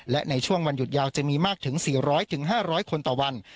และในช่วงวันหยุดยาวจะมีมากถึง๔๐๐๕๐๐คนต่อวัน